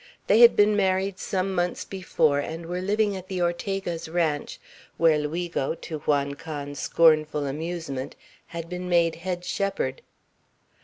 They had been married some months before, and were living at the Ortegas ranch, where Luigo, to Juan Can's scornful amusement, had been made head shepherd.